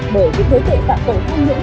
bởi với thế tệ phạm tổ tham nhũng